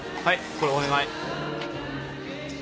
これお願い。